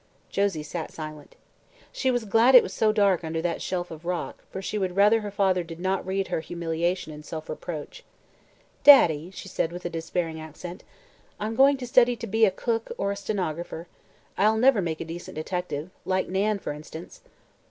Josie sat silent. She was glad it was so dark under that shelf of rock, for she would rather her father did not read her humiliation and self reproach. "Daddy," she said, with a despairing accent, "I'm going to study to be a cook or a stenographer. I'll never make a decent detective like Nan, for instance."